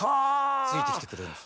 ついてきてくれるんです。